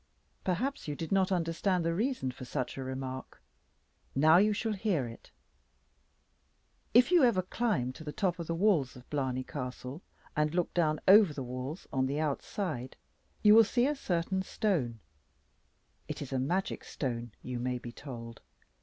Perhaps you did not understand the reason for such a remark. Now you shall hear it. If you ever climb to the top of the walls of Blarney Castle and look down over the walls on the outside, you will see a certain stone. [Illustration: MOLLIE AND HER FATHER VISIT BLARNEY CASTLE.] It is a magic stone, you may be told.